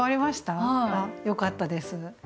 あっよかったです。